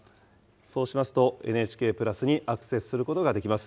そうしますと、ＮＨＫプラスにアクセスすることができます。